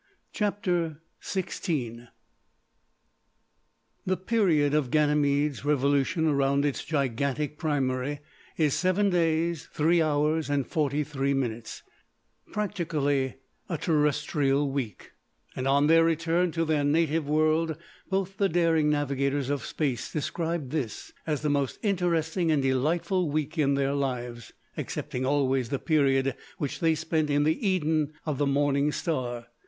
CHAPTER XVI The period of Ganymede's revolution round its gigantic primary is seven days, three hours, and forty three minutes, practically a terrestrial week, and on their return to their native world both the daring navigators of Space described this as the most interesting and delightful week in their lives, excepting always the period which they spent in the Eden of the Morning Star.